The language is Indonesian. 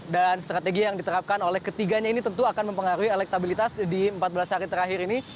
dan strategi yang diterapkan oleh ketiganya ini tentu akan mempengaruhi elektabilitas di empat belas hari terakhir ini